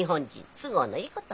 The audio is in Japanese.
都合のいいこと。